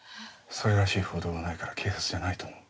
それらしい報道はないから警察じゃないと思う。